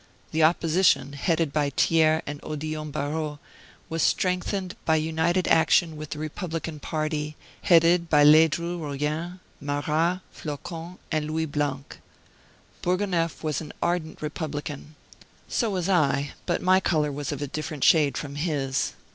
The Opposition, headed by Thiers and Odillon Barrot, was strengthened by united action with the republican party, headed by Ledru Rollin, Marrast, Flocon, and Louis Blanc. Bourgonef was an ardent republican. So was I; but my color was of a different shade from his.